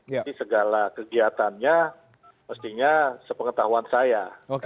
jadi segala kegiatannya mestinya sepengetahuan saya